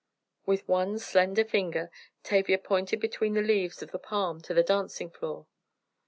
With one slender finger, Tavia pointed between the leaves of the palm to the dancing floor.